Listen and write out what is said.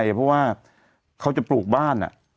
เพราะว่าเขาจะปลูกบ้าน